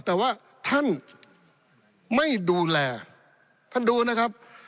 แต่ว่าท่านไม่ดูแลท่านดูนะครับ